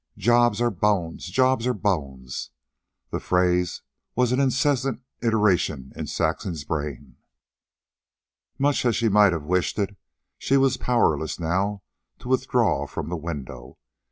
JOBS ARE BONES; JOBS ARE BONES. The phrase was an incessant iteration in Saxon's brain. Much as she might have wished it, she was powerless now to withdraw from the window.